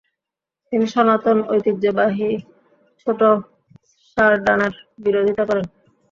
তিনি সনাতন ঐতিহ্যবাহী ছোট সারডানার বিরোধিতা করেন।